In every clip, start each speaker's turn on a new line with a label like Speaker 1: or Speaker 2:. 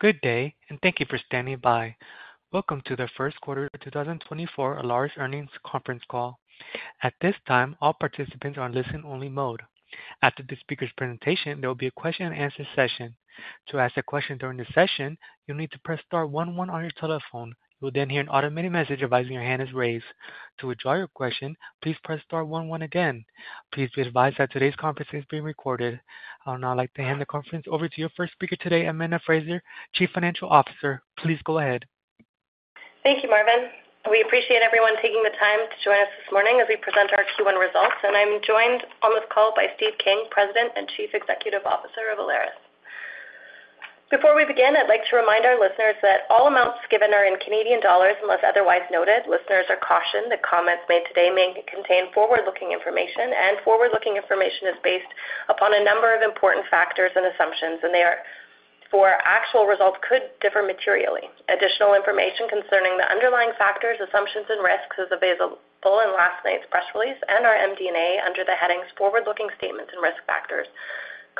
Speaker 1: Good day, and thank you for standing by. Welcome to the first quarter 2024 Alaris Earnings Conference Call. At this time, all participants are on listen-only mode. After the speaker's presentation, there will be a question and answer session. To ask a question during the session, you'll need to press star one one on your telephone. You will then hear an automated message advising your hand is raised. To withdraw your question, please press star one one again. Please be advised that today's conference is being recorded. I would now like to hand the conference over to your first speaker today, Amanda Frazer, Chief Financial Officer. Please go ahead.
Speaker 2: Thank you, Marvin. We appreciate everyone taking the time to join us this morning as we present our Q1 results, and I'm joined on this call by Steve King, President and Chief Executive Officer of Alaris. Before we begin, I'd like to remind our listeners that all amounts given are in Canadian dollars unless otherwise noted. Listeners are cautioned that comments made today may contain forward-looking information, and forward-looking information is based upon a number of important factors and assumptions, and actual results could differ materially. Additional information concerning the underlying factors, assumptions, and risks is available in last night's press release and our MD&A under the headings Forward-Looking Statements and Risk Factors,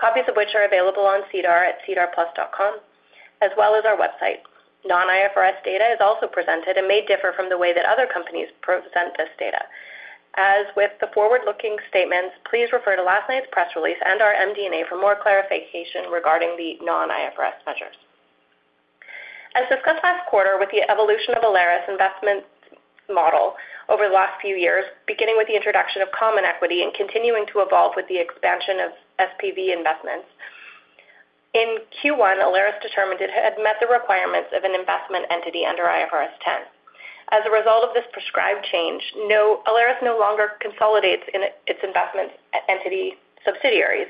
Speaker 2: copies of which are available on SEDAR at sedarplus.com, as well as our website. Non-IFRS data is also presented and may differ from the way that other companies present this data. As with the forward-looking statements, please refer to last night's press release and our MD&A for more clarification regarding the non-IFRS measures. As discussed last quarter with the evolution of Alaris investment model over the last few years, beginning with the introduction of common equity and continuing to evolve with the expansion of SPV investments. In Q1, Alaris determined it had met the requirements of an investment entity under IFRS 10. As a result of this prescribed change, Alaris no longer consolidates in its investment entity subsidiaries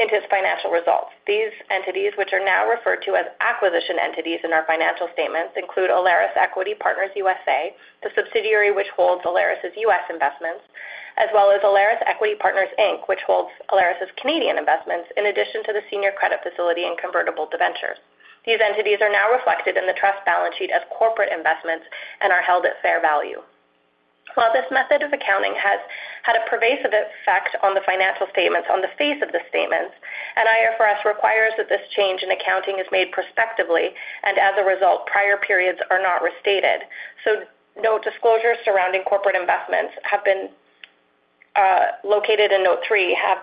Speaker 2: into its financial results. These entities, which are now referred to as acquisition entities in our financial statements, include Alaris Equity Partners USA, the subsidiary which holds Alaris's US investments, as well as Alaris Equity Partners, Inc, which holds Alaris's Canadian investments, in addition to the senior credit facility and convertible debentures. These entities are now reflected in the trust balance sheet as corporate investments and are held at fair value. While this method of accounting has had a pervasive effect on the financial statements on the face of the statements, and IFRS requires that this change in accounting is made prospectively, and as a result, prior periods are not restated. So note disclosures surrounding corporate investments have been located in note three, have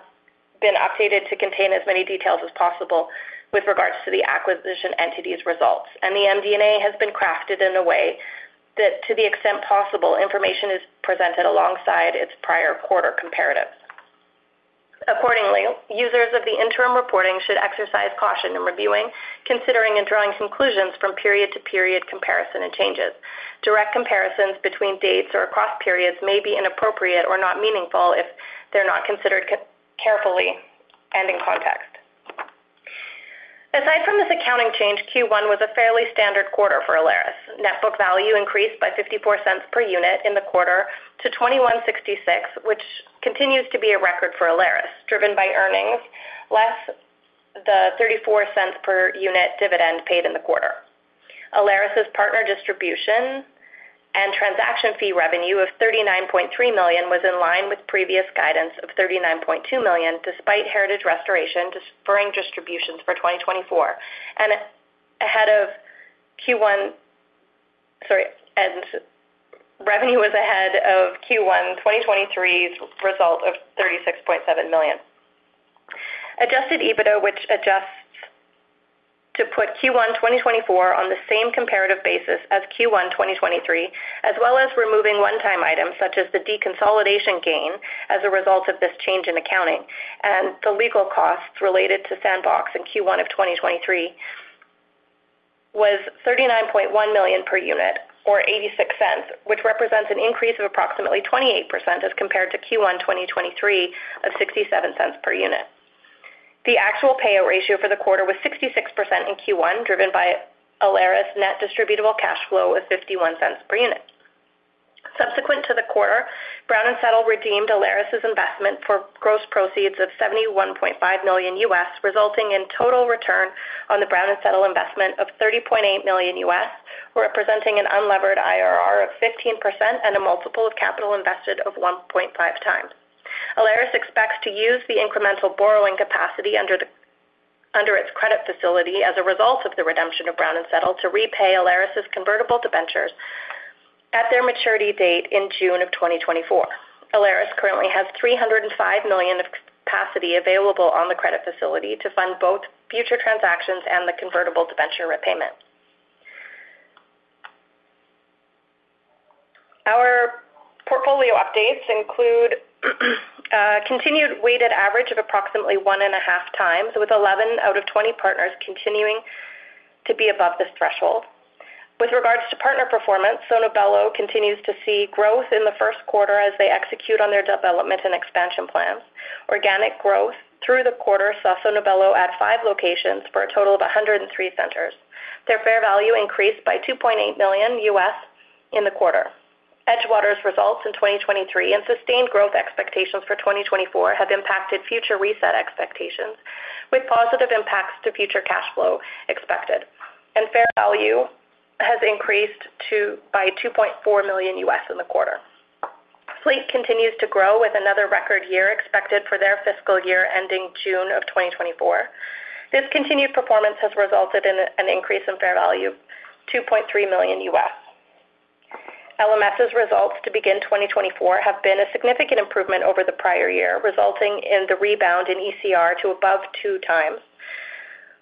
Speaker 2: been updated to contain as many details as possible with regards to the acquisition entities results. And the MD&A has been crafted in a way that, to the extent possible, information is presented alongside its prior quarter comparatives. Accordingly, users of the interim reporting should exercise caution in reviewing, considering, and drawing conclusions from period-to-period comparison and changes. Direct comparisons between dates or across periods may be inappropriate or not meaningful if they're not considered carefully and in context. Aside from this accounting change, Q1 was a fairly standard quarter for Alaris. Net book value increased by 0.54 per unit in the quarter to 21.66, which continues to be a record for Alaris, driven by earnings, less the 0.34 per unit dividend paid in the quarter. Alaris's partner distribution and transaction fee revenue of 39.3 million was in line with previous guidance of 39.2 million, despite Heritage Restoration deferring distributions for 2024 and ahead of Q1... Sorry, and revenue was ahead of Q1 2023's result of 36.7 million. Adjusted EBITDA, which adjusts to put Q1 2024 on the same comparative basis as Q1 2023, as well as removing one-time items such as the deconsolidation gain as a result of this change in accounting and the legal costs related to Sandbox in Q1 of 2023, was 39.1 million per unit, or 0.86, which represents an increase of approximately 28% as compared to Q1 2023, of 0.67 per unit. The actual payout ratio for the quarter was 66% in Q1, driven by Alaris' net distributable cash flow of 0.51 per unit. Subsequent to the quarter, Brown & Settle redeemed Alaris' investment for gross proceeds of $71.5 million, resulting in total return on the Brown & Settle investment of $30.8 million, representing an unlevered IRR of 15% and a multiple of capital invested of 1.5x. Alaris expects to use the incremental borrowing capacity under the, under its credit facility as a result of the redemption of Brown & Settle to repay Alaris' convertible debentures at their maturity date in June of 2024. Alaris currently has 305 million of capacity available on the credit facility to fund both future transactions and the convertible debenture repayment. Our portfolio updates include continued weighted average of approximately 1.5x, with 11 out of 20 partners continuing to be above this threshold. With regards to partner performance, Sono Bello continues to see growth in the first quarter as they execute on their development and expansion plans. Organic growth through the quarter saw Sono Bello add five locations for a total of 103 centers. Their fair value increased by $2.8 million in the quarter. Edgewater's results in 2023 and sustained growth expectations for 2024 have impacted future reset expectations, with positive impacts to future cash flow expected, and fair value has increased by $2.4 million in the quarter. Fleet continues to grow with another record year expected for their fiscal year ending June of 2024. This continued performance has resulted in an increase in fair value, $2.3 million. LMS's results to begin 2024 have been a significant improvement over the prior year, resulting in the rebound in ECR to above two times.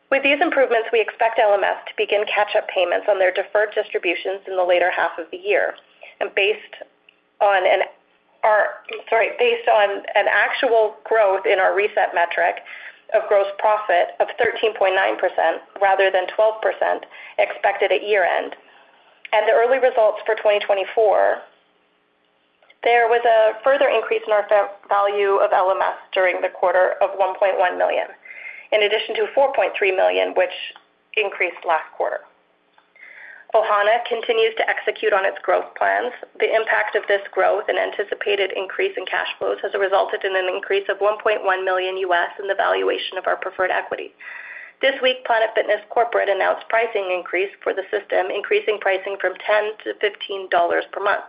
Speaker 2: With these improvements, we expect LMS to begin catch-up payments on their deferred distributions in the later half of the year. And based on an actual growth in our reset metric of gross profit of 13.9% rather than 12% expected at year-end, and the early results for 2024, there was a further increase in our value of LMS during the quarter of 1.1 million, in addition to 4.3 million, which increased last quarter. Ohana continues to execute on its growth plans. The impact of this growth and anticipated increase in cash flows has resulted in an increase of $1.1 million in the valuation of our preferred equity. This week, Planet Fitness corporate announced pricing increase for the system, increasing pricing from $10-$15 per month.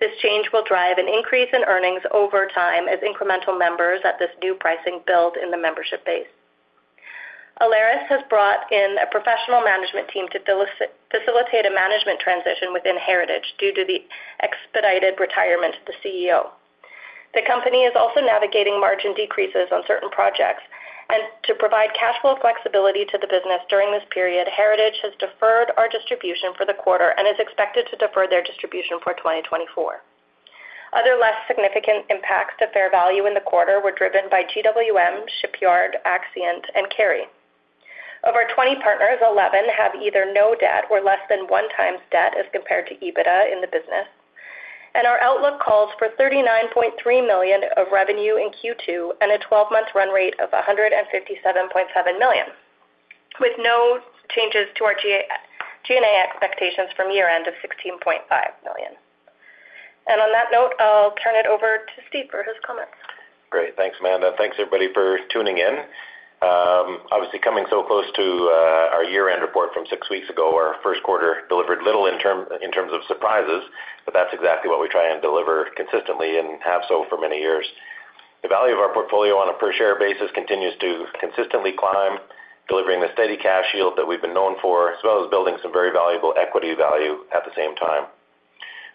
Speaker 2: This change will drive an increase in earnings over time as incremental members at this new pricing build in the membership base. Alaris has brought in a professional management team to facilitate a management transition within Heritage due to the expedited retirement of the CEO. The company is also navigating margin decreases on certain projects, and to provide cash flow flexibility to the business during this period, Heritage has deferred our distribution for the quarter and is expected to defer their distribution for 2024. Other less significant impacts to fair value in the quarter were driven by GWM, Shipyard, Accscient, and Carey. Of our 20 partners, 11 have either no debt or less than 1x debt as compared to EBITDA in the business, and our outlook calls for 39.3 million of revenue in Q2 and a 12-month run rate of 157.7 million, with no changes to our G&A expectations from year-end of 16.5 million. On that note, I'll turn it over to Steve for his comments.
Speaker 3: Great. Thanks, Amanda. Thanks, everybody, for tuning in. Obviously, coming so close to our year-end report from six weeks ago, our first quarter delivered little in terms of surprises, but that's exactly what we try and deliver consistently and have so for many years. The value of our portfolio on a per-share basis continues to consistently climb, delivering the steady cash yield that we've been known for, as well as building some very valuable equity value at the same time.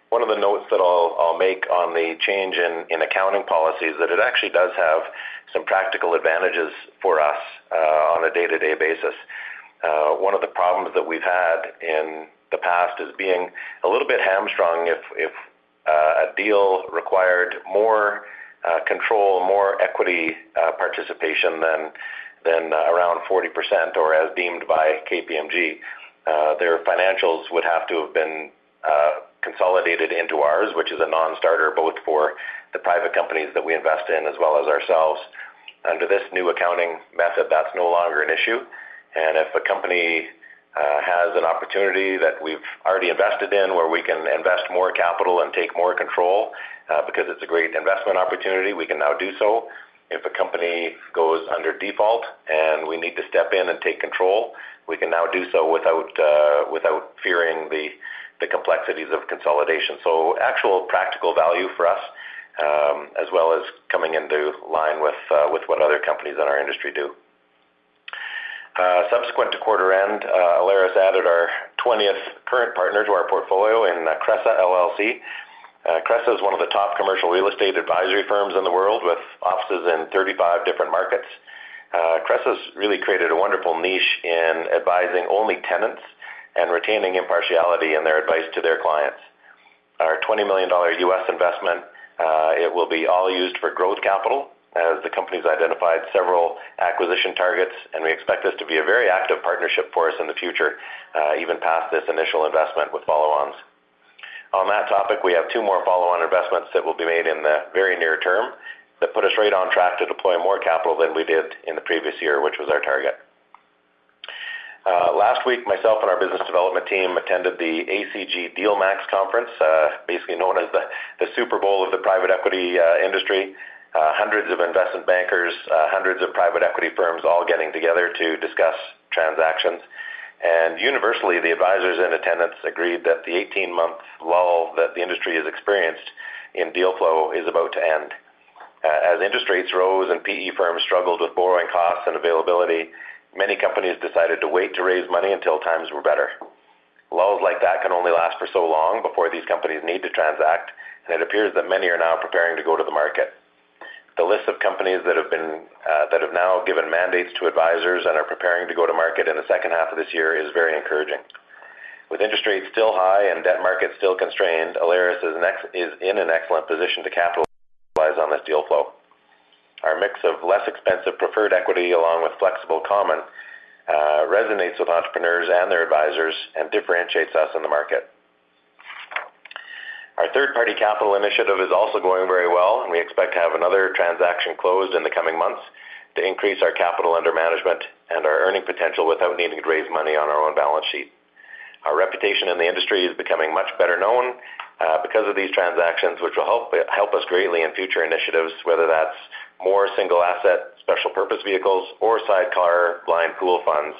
Speaker 3: One of the notes that I'll make on the change in accounting policy is that it actually does have some practical advantages for us on a day-to-day basis. One of the problems that we've had in the past is being a little bit hamstrung if a deal required more control, more equity participation than around 40% or as deemed by KPMG. Their financials would have to have been consolidated into ours, which is a non-starter, both for the private companies that we invest in as well as ourselves. Under this new accounting method, that's no longer an issue. And if a company has an opportunity that we've already invested in, where we can invest more capital and take more control because it's a great investment opportunity, we can now do so. If a company goes under default and we need to step in and take control, we can now do so without fearing the complexities of consolidation. So actual practical value for us, as well as coming into line with, with what other companies in our industry do. Subsequent to quarter end, Alaris added our 20th current partner to our portfolio in Cresa LLC. Cresa is one of the top commercial real estate advisory firms in the world, with offices in 35 different markets. Cresa's really created a wonderful niche in advising only tenants and retaining impartiality in their advice to their clients. Our $20 million US investment, it will be all used for growth capital as the company's identified several acquisition targets, and we expect this to be a very active partnership for us in the future, even past this initial investment with follow-ons. On that topic, we have two more follow-on investments that will be made in the very near term that put us right on track to deploy more capital than we did in the previous year, which was our target. Last week, myself and our business development team attended the ACG DealMAX conference, basically known as the Super Bowl of the private equity industry. Hundreds of investment bankers, hundreds of private equity firms all getting together to discuss transactions. And universally, the advisors in attendance agreed that the 18-month lull that the industry has experienced in deal flow is about to end. As interest rates rose and PE firms struggled with borrowing costs and availability, many companies decided to wait to raise money until times were better. Lulls like that can only last for so long before these companies need to transact, and it appears that many are now preparing to go to the market. The list of companies that have been, that have now given mandates to advisors and are preparing to go to market in the second half of this year is very encouraging. With interest rates still high and debt markets still constrained, Alaris is in an excellent position to capitalize on this deal flow. Our mix of less expensive preferred equity, along with flexible common, resonates with entrepreneurs and their advisors and differentiates us in the market. Our third-party capital initiative is also going very well, and we expect to have another transaction closed in the coming months to increase our capital under management and our earning potential without needing to raise money on our own balance sheet. Our reputation in the industry is becoming much better known because of these transactions, which will help us greatly in future initiatives, whether that's more single asset special purpose vehicles or sidecar blind pool funds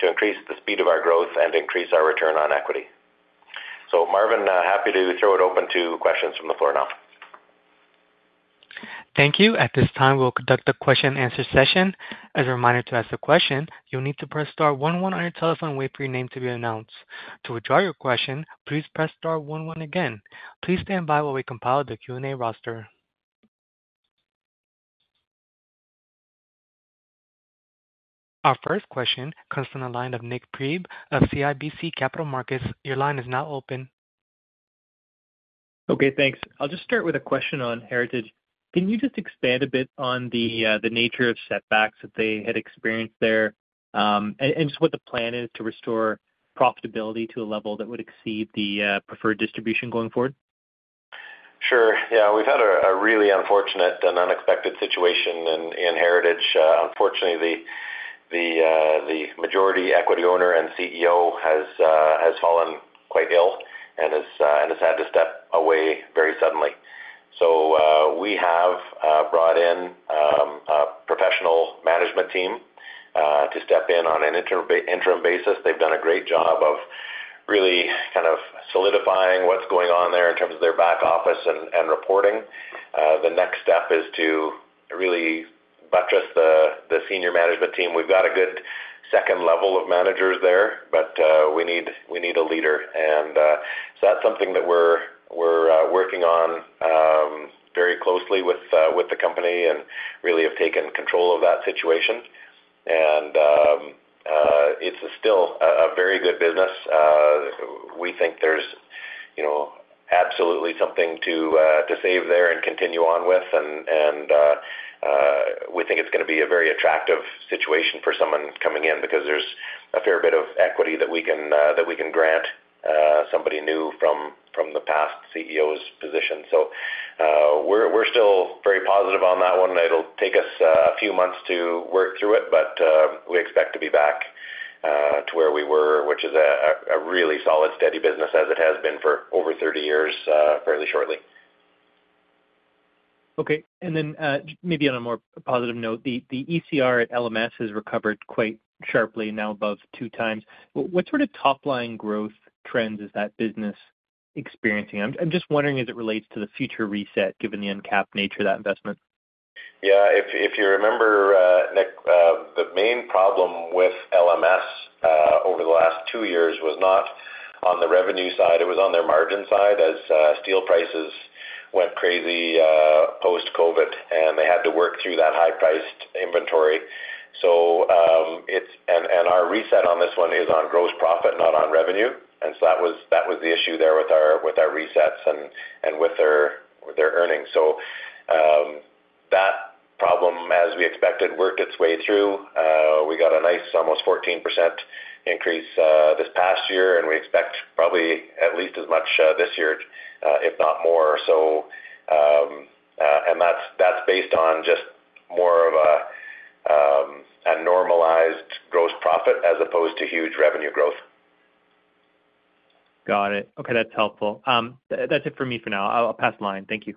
Speaker 3: to increase the speed of our growth and increase our return on equity. So, Marvin, happy to throw it open to questions from the floor now.
Speaker 1: Thank you. At this time, we'll conduct a question and answer session. As a reminder, to ask a question, you'll need to press star one one on your telephone and wait for your name to be announced. To withdraw your question, please press star one one again. Please stand by while we compile the Q&A roster. Our first question comes from the line of Nik Priebe of CIBC Capital Markets. Your line is now open.
Speaker 4: Okay, thanks. I'll just start with a question on Heritage. Can you just expand a bit on the nature of setbacks that they had experienced there? And just what the plan is to restore profitability to a level that would exceed the preferred distribution going forward?
Speaker 3: Sure. Yeah, we've had a really unfortunate and unexpected situation in Heritage. Unfortunately, the majority equity owner and CEO has fallen quite ill and has had to step away very suddenly. So, we have brought in a professional management team to step in on an interim basis. They've done a great job of really kind of solidifying what's going on there in terms of their back office and reporting. The next step is to really buttress the senior management team. We've got a good second level of managers there, but we need a leader. And so that's something that we're working on very closely with the company and really have taken control of that situation. And, it's still a very good business. We think there's, you know, absolutely something to save there and continue on with. And we think it's gonna be a very attractive situation for someone coming in, because there's a fair bit of equity that we can grant somebody new from the past CEO's position. So, we're still very positive on that one. It'll take us a few months to work through it, but we expect to be back to where we were, which is a really solid, steady business as it has been for over 30 years fairly shortly.
Speaker 4: Okay. And then, maybe on a more positive note, the ECR at LMS has recovered quite sharply, now above two times. What sort of top-line growth trends is that business experiencing? I'm just wondering as it relates to the future reset, given the uncapped nature of that investment.
Speaker 3: Yeah, if you remember, Nik, the main problem with LMS over the last two years was not on the revenue side, it was on their margin side, as steel prices went crazy post-COVID, and they had to work through that high-priced inventory. Our reset on this one is on gross profit, not on revenue, and so that was the issue there with our resets and with their earnings. So, that problem, as we expected, worked its way through. We got a nice, almost 14% increase this past year, and we expect probably at least as much this year, if not more so. That's based on just more of a normalized gross profit as opposed to huge revenue growth.
Speaker 4: Got it. Okay, that's helpful. That's it for me for now. I'll pass the line. Thank you.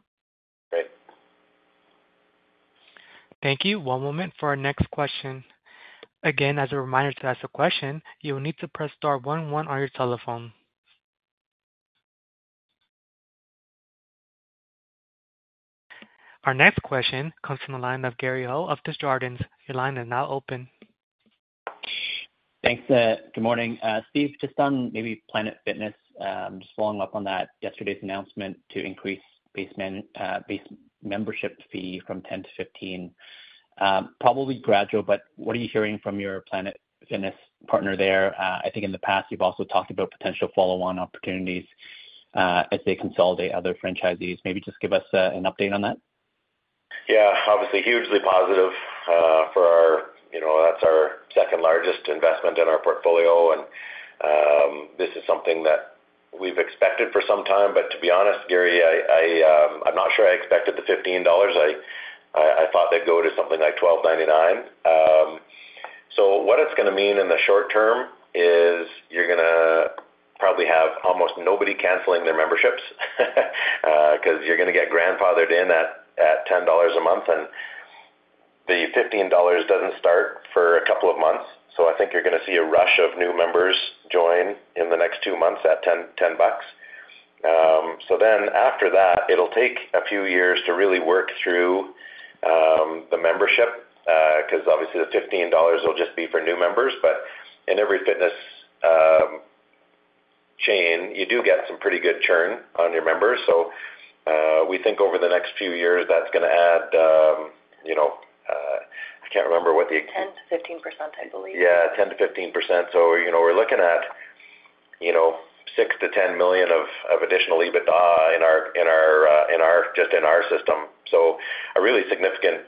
Speaker 3: Great.
Speaker 1: Thank you. One moment for our next question. Again, as a reminder, to ask a question, you will need to press star one one on your telephone. Our next question comes from the line of Gary Ho of Desjardins. Your line is now open.
Speaker 5: Thanks. Good morning. Steve, just on maybe Planet Fitness, just following up on that, yesterday's announcement to increase base membership fee from 10 to 15. Probably gradual, but what are you hearing from your Planet Fitness partner there? I think in the past, you've also talked about potential follow-on opportunities, as they consolidate other franchisees. Maybe just give us an update on that.
Speaker 3: Yeah, obviously hugely positive, for our... You know, that's our second largest investment in our portfolio, and, this is something that we've expected for some time. But to be honest, Gary, I'm not sure I expected the $15. I thought they'd go to something like $12.99. So what it's gonna mean in the short term is you're gonna probably have almost nobody canceling their memberships, 'cause you're gonna get grandfathered in at, at $10 a month, and the $15 doesn't start for a couple of months. So I think you're gonna see a rush of new members join in the next two months at $10. So then after that, it'll take a few years to really work through, the membership, 'cause obviously the $15 will just be for new members. But in every fitness chain, you do get some pretty good churn on your members. So, we think over the next few years, that's gonna add, you know, I can't remember what the-
Speaker 2: 10%-15%, I believe.
Speaker 3: Yeah, 10%-15%. So, you know, we're looking at, you know, $6 million-$10 million of additional EBITDA in our system. So a really significant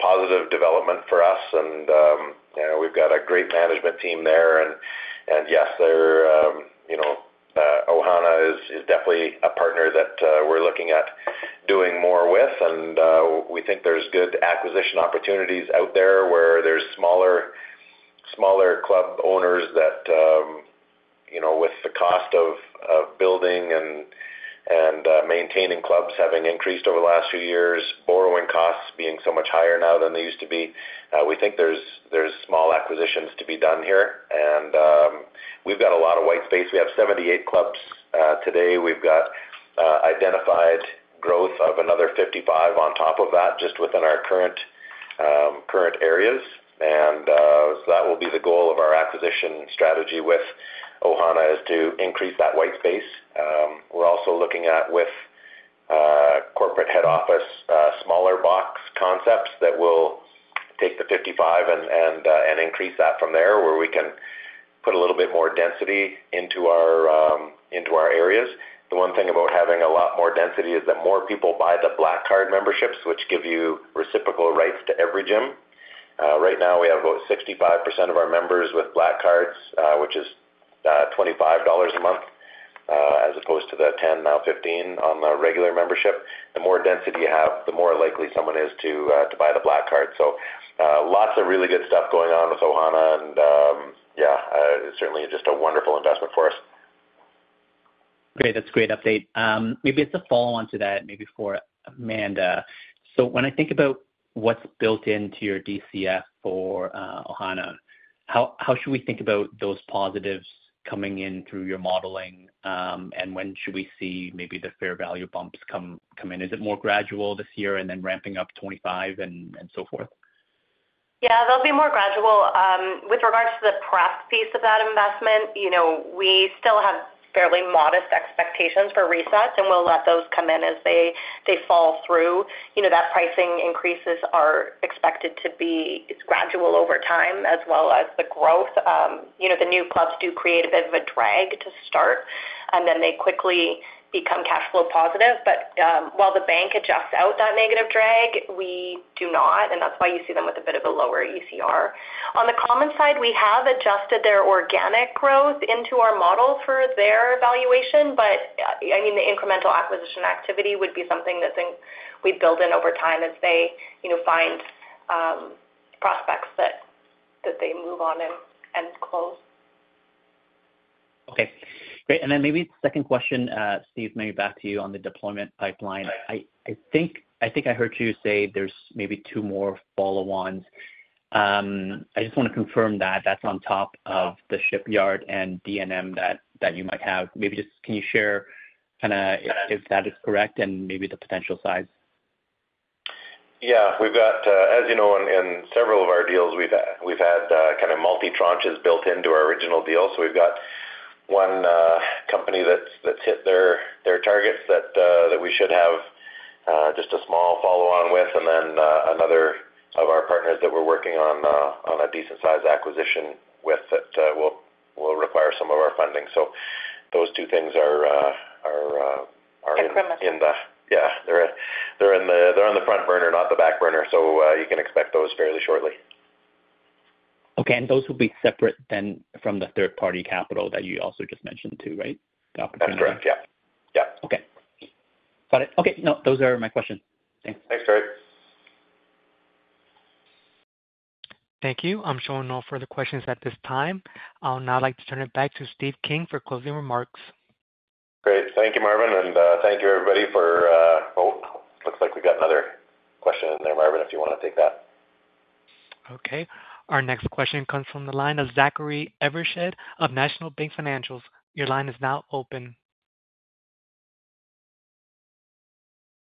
Speaker 3: positive development for us. And, you know, we've got a great management team there. And, yes, they're, you know, Ohana is definitely a partner that we're looking at doing more with. And, we think there's good acquisition opportunities out there, where there's smaller club owners that you know, with the cost of building and maintaining clubs having increased over the last few years, borrowing costs being so much higher now than they used to be, we think there's small acquisitions to be done here. And, we've got a lot of white space. We have 78 clubs today. We've got identified growth of another 55 on top of that, just within our current areas, and so that will be the goal of our acquisition strategy with Ohana, is to increase that white space. We're also looking at with corporate head office smaller box concepts that will take the 55 and increase that from there, where we can put a little bit more density into our areas. The one thing about having a lot more density is that more people buy the Black Card memberships, which give you reciprocal rights to every gym. Right now, we have about 65% of our members with Black Cards, which is $25 a month, as opposed to the $10, now $15 on the regular membership. The more density you have, the more likely someone is to buy the Black Card. So, lots of really good stuff going on with Ohana, and, yeah, it certainly is just a wonderful investment for us.
Speaker 5: Great. That's a great update. Maybe just to follow on to that, maybe for Amanda. So when I think about what's built into your DCF for Ohana, how should we think about those positives coming in through your modeling, and when should we see maybe the fair value bumps come in? Is it more gradual this year and then ramping up 2025 and so forth?
Speaker 2: Yeah, they'll be more gradual. With regards to the pref piece of that investment, you know, we still have fairly modest expectations for reset, and we'll let those come in as they fall through. You know, that pricing increases are expected to be gradual over time, as well as the growth. You know, the new clubs do create a bit of a drag to start, and then they quickly become cash flow positive. But, while the bank adjusts out that negative drag, we do not, and that's why you see them with a bit of a lower ECR. On the common side, we have adjusted their organic growth into our model for their valuation, but, I mean, the incremental acquisition activity would be something that then we'd build in over time as they, you know, find prospects that they move on and close.
Speaker 5: Okay, great. And then maybe second question, Steve, maybe back to you on the deployment pipeline. I think I heard you say there's maybe two more follow-ons. I just wanna confirm that that's on top of the Shipyard and D&M that you might have. Maybe just can you share kinda if that is correct, and maybe the potential size?
Speaker 3: Yeah. We've got... As you know, in several of our deals, we've had kind of multi tranches built into our original deal. So we've got one company that's hit their targets that we should have just a small follow-on with, and then another of our partners that we're working on on a decent size acquisition with that will require some of our funding. So those two things are-
Speaker 2: Incremental.
Speaker 3: Yeah, they're on the front burner, not the back burner, so you can expect those fairly shortly.
Speaker 5: Okay, and those will be separate then from the third-party capital that you also just mentioned, too, right?
Speaker 3: That's correct. Yeah. Yeah.
Speaker 5: Okay. Got it. Okay, no, those are my questions. Thanks.
Speaker 3: Thanks, Eric.
Speaker 1: Thank you. I'm showing no further questions at this time. I'll now like to turn it back to Steve King for closing remarks.
Speaker 3: Great. Thank you, Marvin, and, thank you, everybody, for... Oh, looks like we got another question in there, Marvin, if you wanna take that.
Speaker 1: Okay. Our next question comes from the line of Zachary Evershed of National Bank Financial. Your line is now open.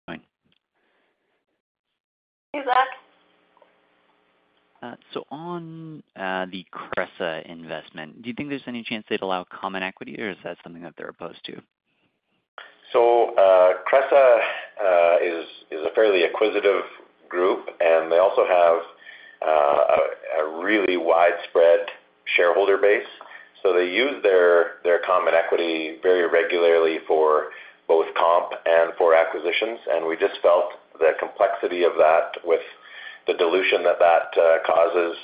Speaker 2: Hey, Zach.
Speaker 6: So on the Cresa investment, do you think there's any chance they'd allow common equity, or is that something that they're opposed to?
Speaker 3: So, Cresa is a fairly acquisitive group, and they also have a really widespread shareholder base. So they use their common equity very regularly for both comp and for acquisitions, and we just felt the complexity of that with the dilution that that causes,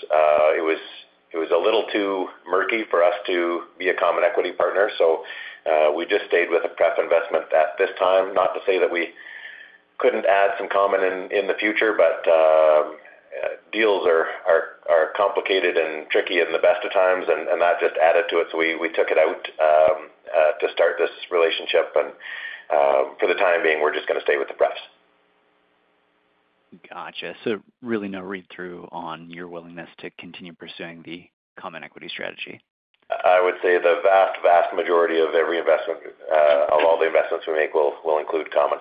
Speaker 3: it was a little too murky for us to be a common equity partner. So, we just stayed with a preferred investment at this time. Not to say that we couldn't add some common in the future, but, deals are complicated and tricky in the best of times, and that just added to it. So we took it out to start this relationship, and, for the time being, we're just gonna stay with the preferred.
Speaker 6: Gotcha. So really no read-through on your willingness to continue pursuing the common equity strategy?
Speaker 3: I would say the vast, vast majority of every investment of all the investments we make will include common.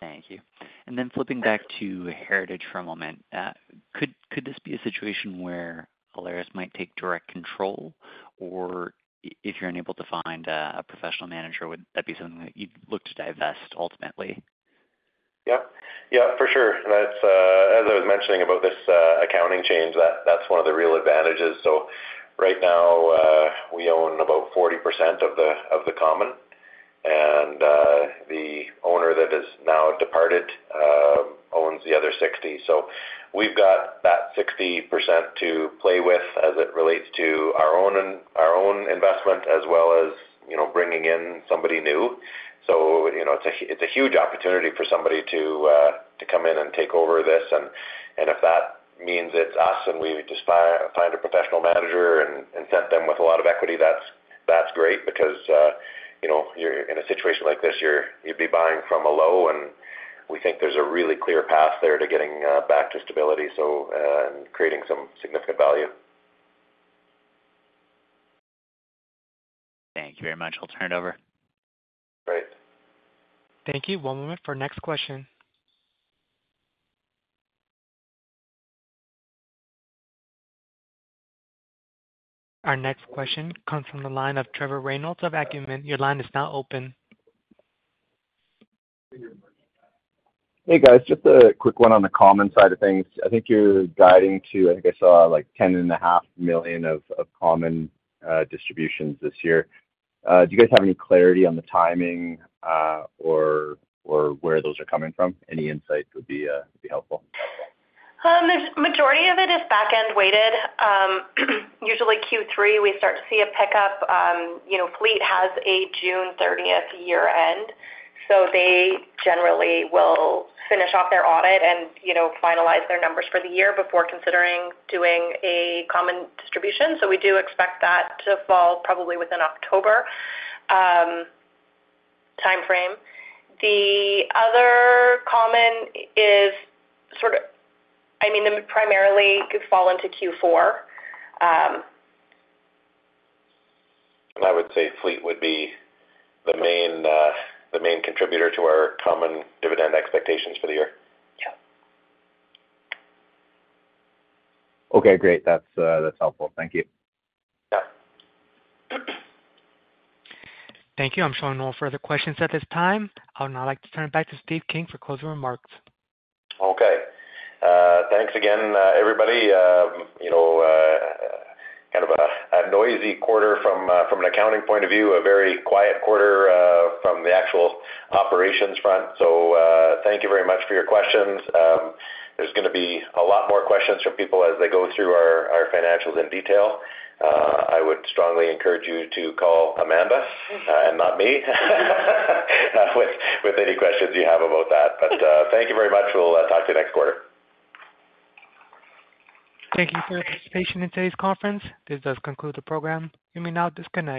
Speaker 6: Thank you. And then flipping back to Heritage for a moment, could this be a situation where Alaris might take direct control? Or if you're unable to find a professional manager, would that be something that you'd look to divest ultimately?
Speaker 3: Yep. Yeah, for sure. That's, as I was mentioning about this accounting change, that's one of the real advantages. So right now, we own about 40% of the common, and the owner that has now departed owns the other 60%. So we've got that 60% to play with as it relates to our own interest, as well as, you know, bringing in somebody new. So, you know, it's a, it's a huge opportunity for somebody to come in and take over this, and, and if that means it's us, and we just find a professional manager and, and send them with a lot of equity, that's, that's great, because, you know, you're in a situation like this, you'd be buying from a low, and we think there's a really clear path there to getting back to stability, so, and creating some significant value.
Speaker 4: Thank you very much. I'll turn it over.
Speaker 3: Great.
Speaker 1: Thank you. One moment for next question. Our next question comes from the line of Trevor Reynolds of Acumen Capital. Your line is now open.
Speaker 7: Hey, guys, just a quick one on the common side of things. I think you're guiding to, I think I saw, like, 10.5 million of common distributions this year. Do you guys have any clarity on the timing, or where those are coming from? Any insight would be helpful.
Speaker 2: The majority of it is back-end weighted. Usually Q3, we start to see a pickup. You know, Fleet has a June 30th year-end, so they generally will finish off their audit and, you know, finalize their numbers for the year before considering doing a common distribution. So we do expect that to fall probably within October timeframe. The other common is sort of, I mean, primarily could fall into Q4.
Speaker 3: I would say Fleet would be the main, the main contributor to our common dividend expectations for the year.
Speaker 2: Yeah.
Speaker 7: Okay, great. That's, that's helpful. Thank you.
Speaker 3: Yeah.
Speaker 1: Thank you. I'm showing no further questions at this time. I would now like to turn it back to Steve King for closing remarks.
Speaker 3: Okay. Thanks again, everybody. You know, kind of a noisy quarter from an accounting point of view, a very quiet quarter from the actual operations front. So, thank you very much for your questions. There's gonna be a lot more questions from people as they go through our financials in detail. I would strongly encourage you to call Amanda, and not me, with any questions you have about that. But, thank you very much. We'll talk to you next quarter.
Speaker 1: Thank you for your participation in today's conference. This does conclude the program. You may now disconnect.